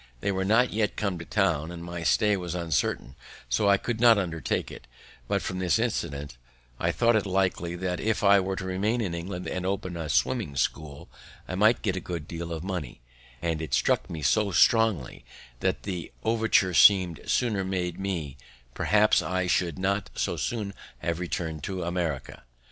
They were not yet come to town, and my stay was uncertain, so I could not undertake it; but, from this incident, I thought it likely that, if I were to remain in England and open a swimming school, I might get a good deal of money; and it struck me so strongly, that, had the overture been sooner made me, probably I should not so soon have returned to America.